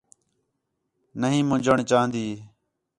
نھیں منڄݨ چاہندی